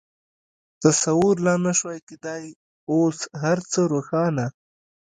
تصور لا نه شوای کېدای، اوس هر څه روښانه.